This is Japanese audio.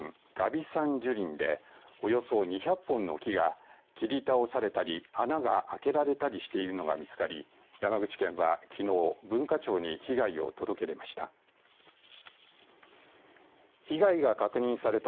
峨嵋山樹林でおよそ２００本の木が切り倒されたり、穴が開けられたりしているのが見つかり山口県は、きのう文化庁に被害を届け出ました。